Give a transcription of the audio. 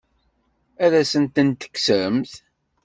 Ad asent-tent-tekksemt?